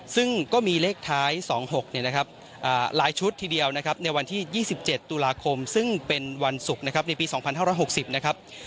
ซึ่งก็มีเลขท้าย๒๖หลายชุดทีเดียวในวันที่๒๗ตุลาคมซึ่งเป็นวันศุกร์ในปี๒๕๖๐